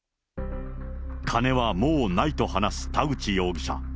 金はもうないと話す田口容疑者。